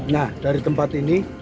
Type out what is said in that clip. nah dari tempat ini